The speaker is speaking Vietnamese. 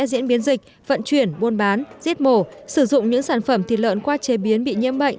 diễn biến dịch vận chuyển buôn bán giết mổ sử dụng những sản phẩm thịt lợn qua chế biến bị nhiễm bệnh